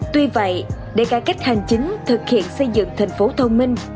tuy vậy để cải cách hành chính thực hiện xây dựng thành phố thông minh